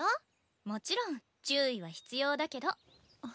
もちろん注意は必要だけど。